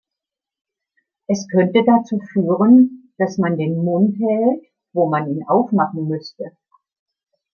Es könnte dazu führen, dass man den M- und hält, wo man ihn aufmachen müsste.